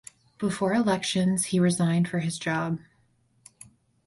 Before elections he resigned for his job.